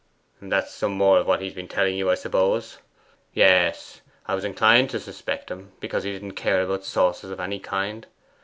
'That's some more of what he's been telling you, I suppose! Yes, I was inclined to suspect him, because he didn't care about sauces of any kind.